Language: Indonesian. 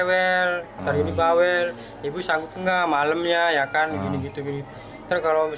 usai dibawa ke kediaman bibinya di kapuk muara jakarta utara